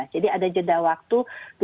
jadi ada jeda waktu